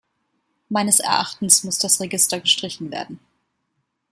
Meines Erachtens muss das Register gestrichen werden.